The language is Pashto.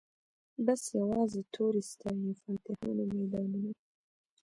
بس یوازي توري ستايی فاتحان او میدانونه